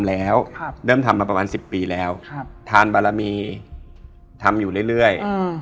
แอร์ก็สวดหมดเลย